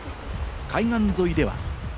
海岸沿いでは。